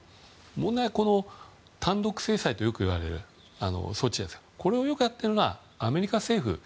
問題は、単独制裁とよく言われる措置ですがこれをよくやっているのがアメリカ政府。